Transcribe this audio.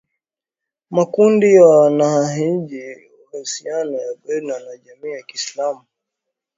makundi ya wanajihadi yenye uhusiano na al-Qaeda na jamii ya kiislamu